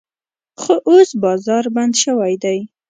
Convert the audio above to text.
خو اوس بازار بند شوی دی.